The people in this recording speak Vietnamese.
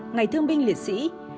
ngày thương binh liệt sĩ